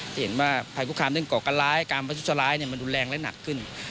เห็นว่าภัยคุกคลามเรื่องเกาะกะล้ายการประสุทธิ์สลายมันดูแรงและหนักขึ้น